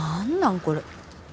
これ。